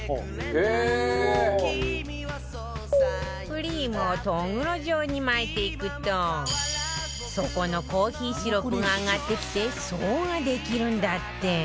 クリームをとぐろ状に巻いていくと底のコーヒーシロップが上がってきて層ができるんだって